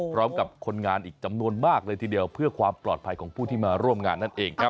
พร้อมกับคนงานอีกจำนวนมากเลยทีเดียวเพื่อความปลอดภัยของผู้ที่มาร่วมงานนั่นเองครับ